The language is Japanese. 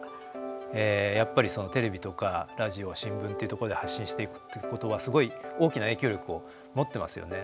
やっぱりテレビとかラジオ新聞っていうところで発信していくってことは、すごい大きな影響力を持ってますよね。